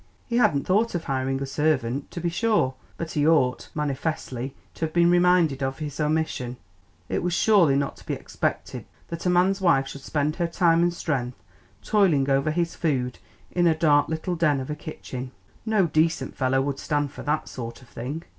He hadn't thought of hiring a servant, to be sure, but he ought, manifestly, to have been reminded of his omission. It was surely not to be expected that a man's wife should spend her time and strength toiling over his food in a dark little den of a kitchen. No decent fellow would stand for that sort of thing.